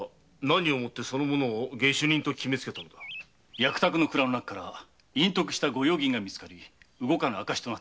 役宅の蔵の中から隠匿した御用銀がみつかり動かぬ証拠に。